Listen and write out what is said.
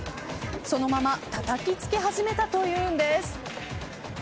そのままたたきつけ始めたというのです。